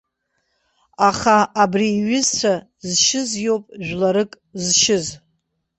Аха абри иҩызцәа зшьыз иоуп жәларык зшьыз!